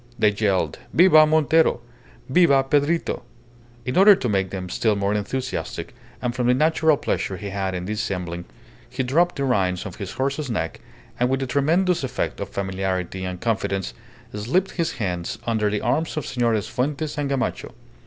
They yelled "Viva Montero! Viva Pedrito!" In order to make them still more enthusiastic, and from the natural pleasure he had in dissembling, he dropped the reins on his horse's neck, and with a tremendous effect of familiarity and confidence slipped his hands under the arms of Senores Fuentes and Gamacho.